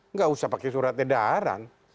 nggak usah pakai surat edaran